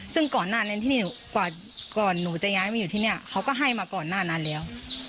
ซึ่งก่อนหน้านั้นที่นี่ก่อนหนูจะย้ายมาอยู่ที่นี่เขาก็ให้มาก่อนหน้านั้นแล้ว